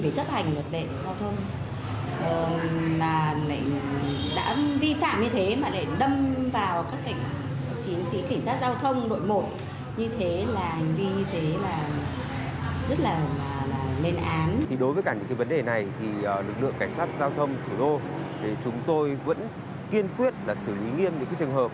cả những vấn đề này lực lượng cảnh sát giao thông thủ đô chúng tôi vẫn kiên quyết xử lý nghiêm những trường hợp